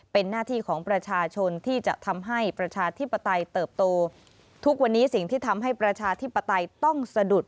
เป็นหน้าที่ของประชาชนที่จะทำให้ประชาธิปไตยเติบโตทุกวันนี้สิ่งที่ทำให้ประชาธิปไตยต้องสะดุด